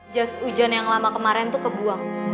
jas ujian yang lama kemarin tuh kebuang